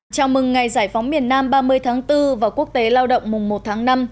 chào mừng ngày giải phóng miền nam ba mươi tháng bốn và quốc tế lao động mùng một tháng năm